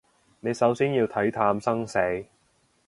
你首先要睇淡生死